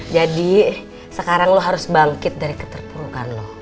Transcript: jadi sekarang lo harus bangkit dari keterpurukan lo